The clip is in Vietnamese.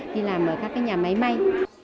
khi làm ở các nhà máy mây